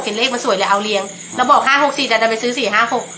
เลขมันสวยเลยเอาเลี้ยงแล้วบอกห้าหกสี่แต่ดันไปซื้อสี่ห้าหก